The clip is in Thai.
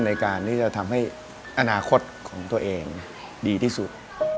ในการที่จะทำให้อนาคตของตัวเองดีที่สุด